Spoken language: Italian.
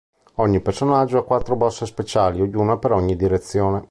Ogni personaggio ha quattro mosse speciali, ognuna per ogni direzione.